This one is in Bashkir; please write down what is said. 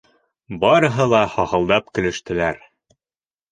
Барыһы ла хахылдап көлөштөләр.